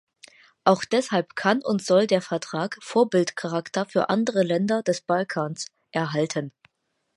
Auch deshalb kann und soll der Vertrag Vorbildcharakter für andere Länder des Balkans erhalten.